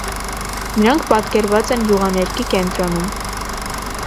Նրանք պատկերված են յուղաներկի կենտրոնում։